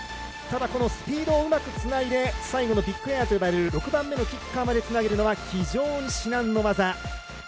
ただ、スピードをうまくつないで最後のビッグエアと呼ばれる６番目のキッカーまでつなげるのが非常に至難の業。